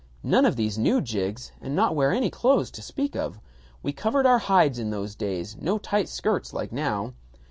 None of these new jigs and not wear any clothes to speak of. We covered our hides in those days; no tight skirts like now.